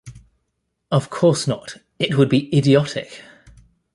Of course not; it would be idiotic!